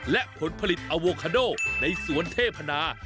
และผลผลิตอโวคาโดในสวนเทพนา